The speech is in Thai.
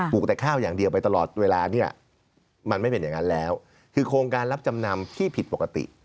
ลูกแต่ข้าวอย่างเดียวไปตลอดเวลาเนี่ยมันไม่เป็นอย่างนั้นแล้วคือโครงการรับจำนำที่ผิดปกติ